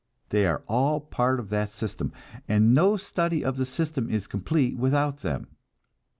They are all part of that system, and no study of the system is complete without them.